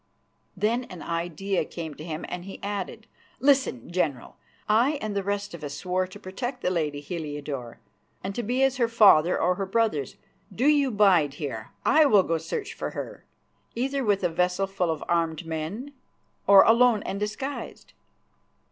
Then an idea came to him, and he added, "Listen, General. I and the rest of us swore to protect the lady Heliodore and to be as her father or her brothers. Do you bide here. I will go to search for her, either with a vessel full of armed men, or alone, disguised."